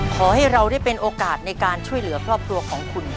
ขอให้เราได้เป็นโอกาสในการช่วยเหลือครอบครัวของคุณ